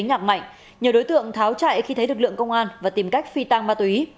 nhạc mạnh nhiều đối tượng tháo chạy khi thấy lực lượng công an và tìm cách phi tang ma túy